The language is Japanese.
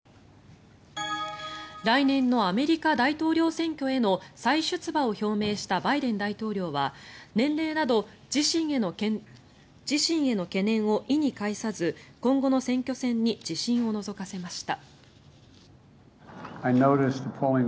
来年のアメリカ大統領選挙への再出馬を表明したバイデン大統領は、年齢など自身への懸念を意に介さず今後の選挙戦に自信をのぞかせました。